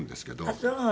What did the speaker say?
あっそう。